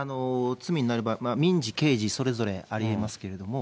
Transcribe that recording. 罪になれば民事、刑事それぞれありえますけれども。